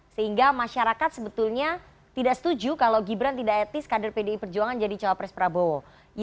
sehingga masyarakat sebetulnya tidak setuju kalau gibran tidak etis kader pdi perjuangan jadi cawapres prabowo